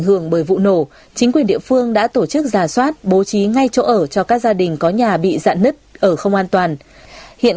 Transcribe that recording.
hiện các cơ quan chức năng đã tổ chức giả soát bố trí ngay chỗ ở cho các gia đình có nhà bị dạn nứt ở không an toàn